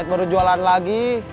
tidak ada jualan lagi